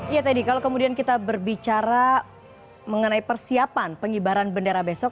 ya teddy kalau kemudian kita berbicara mengenai persiapan pengibaran bendera besok